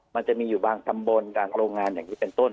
มันจะมีอยู่บางตำบลบางโรงงานอย่างนี้เป็นต้น